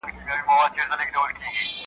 ښکاري ولیده په تور کي زرکه بنده .